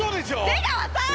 出川さん！